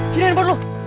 sini handphone lu